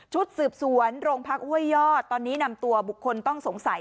ชุดสืบสวนโรงพักห้วยยอดตอนนี้นำตัวบุคคลต้องสงสัย